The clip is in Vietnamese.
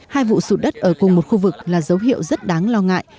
hai vụ sụt đất ở cùng một khu vực là dấu hiệu rất đáng lo ngại